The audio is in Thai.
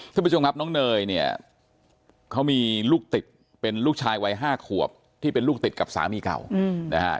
ท่านผู้ชมครับน้องเนยเนี่ยเขามีลูกติดเป็นลูกชายวัย๕ขวบที่เป็นลูกติดกับสามีเก่านะฮะ